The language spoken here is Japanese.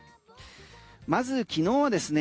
まず昨日はですね